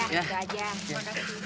ya sudah aja